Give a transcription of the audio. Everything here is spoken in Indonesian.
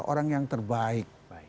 orang yang terbaik